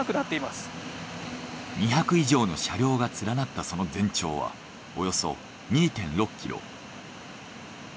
２００以上の車両が連なったその全長はおよそ２．６キロ。